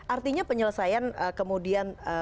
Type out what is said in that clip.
artinya penyelesaian kemudian